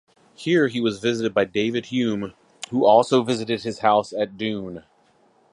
Here he was visited by David Hume who also visited his house at Doune.